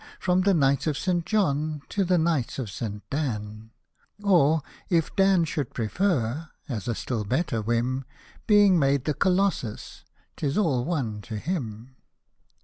From the Knights of St. John to the Knights of St. Dan ;— Or, if Dan should prefer (as a still better whim) Being made the Colossus, 'tis all one to him.